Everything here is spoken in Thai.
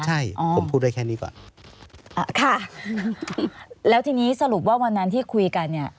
ใช่ผมพูดได้แค่นี้ก่อนอ่าค่ะแล้วทีนี้สรุปว่าวันนั้นที่คุยกันเนี่ย